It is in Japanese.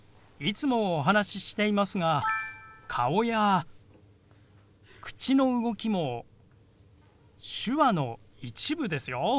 いつもお話ししていますが顔や口の動きも手話の一部ですよ。